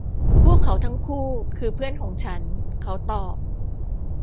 พวกเขาทั้งคู่คือเพื่อนของฉัน เขาตอบ